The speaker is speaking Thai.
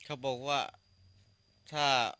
เขาบอกเรายังไงทำไมเขาถึงไม่ให้ไป